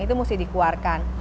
itu mesti dikeluarkan